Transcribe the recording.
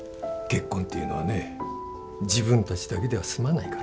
結婚っていうのはね自分たちだけでは済まないから。